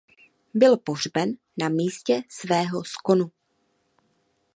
Byl pohřben na místě svého skonu.